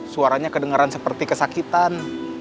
suaranya kedengeran seperti kesakitan